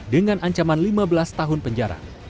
dengan ancaman lima belas tahun penjara